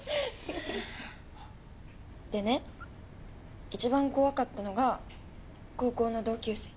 でねいちばん怖かったのが高校の同級生。